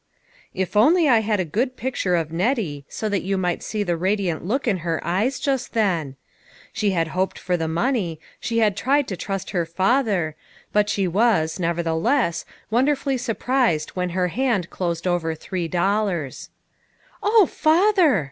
IF only I had a good picture of Nettie, so that you might see the radiant look in her eyes just then ! She had hoped for the money, she had tried to trust her father, but she was, nevertheless, wonderfully surprised when her hand closed over three dollars. " O father